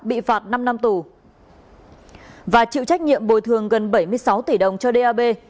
bị phạt năm năm tù và chịu trách nhiệm bồi thường gần bảy mươi sáu tỷ đồng cho dap